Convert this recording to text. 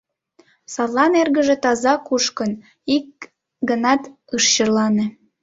Садлан эргыже таза кушкын, ик ганат ыш черлане.